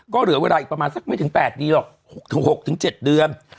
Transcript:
ก็เหลือเวลาอีกประมาณสักไม่ถึงแปดดีหรอกหกถึงหกถึงเจ็ดเดือน